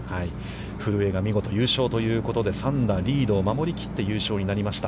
古江が見事優勝ということで３打リードを守りきって優勝になりました。